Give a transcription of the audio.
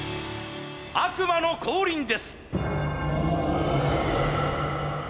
悪魔の降臨です！